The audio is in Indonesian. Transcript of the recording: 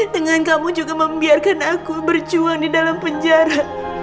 dengan kamu juga membiarkan aku berjuang di dalam penjara